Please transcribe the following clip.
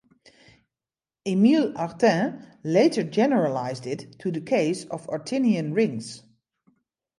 Emil Artin later generalized it to the case of Artinian rings.